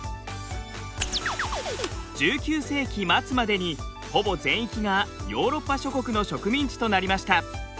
１９世紀末までにほぼ全域がヨーロッパ諸国の植民地となりました。